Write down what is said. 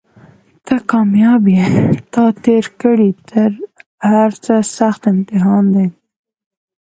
ته کامیاب یې تا تېر کړی تر هرڅه سخت امتحان دی